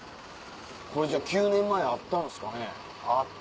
これじゃあ９年前あったんですかね。